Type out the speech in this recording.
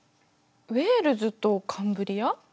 ウェールズとカンブリア？